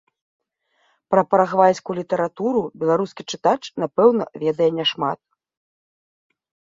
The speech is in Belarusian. Пра парагвайскую літаратуру беларускі чытач напэўна ведае няшмат.